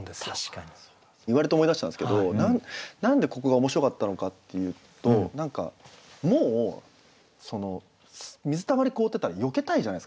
言われて思い出したんですけど何でここが面白かったのかっていうともう水たまり凍ってたらよけたいじゃないですか普通。